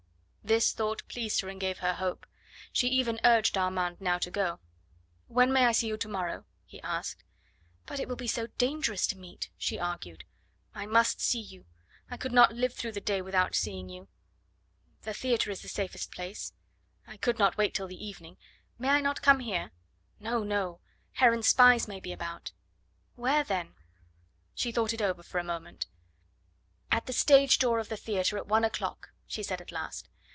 This thought pleased her and gave her hope. She even urged Armand now to go. "When may I see you to morrow?" he asked. "But it will be so dangerous to meet," she argued. "I must see you. I could not live through the day without seeing you." "The theatre is the safest place." "I could not wait till the evening. May I not come here?" "No, no. Heron's spies may be about." "Where then?" She thought it over for a moment. "At the stage door of the theatre at one o'clock," she said at last.